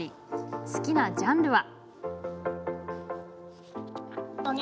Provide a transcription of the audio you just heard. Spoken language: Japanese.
好きなジャンルは。